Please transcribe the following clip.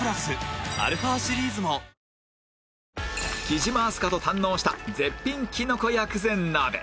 貴島明日香と堪能した絶品きのこ薬膳鍋